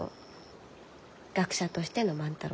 学者としての万太郎さんが。